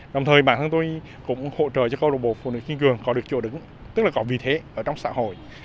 đồng thời bản thân tôi cũng hỗ trợ cho các bộ phụ nữ kinh cường có được chỗ đứng tức là có vị thế ở trong xã hội